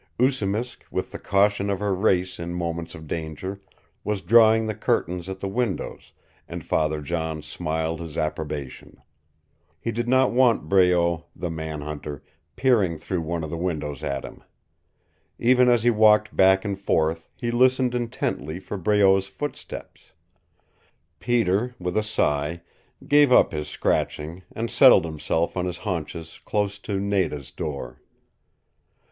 Oosimisk, with the caution of her race in moments of danger, was drawing the curtains at the windows, and Father John smiled his approbation. He did not want Breault, the man hunter, peering through one of the windows at him. Even as he walked back and forth he listened intently for Breault's footsteps. Peter, with a sigh, gave up his scratching and settled himself on his haunches close to Nada's door.